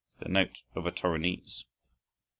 The note of a Torinese).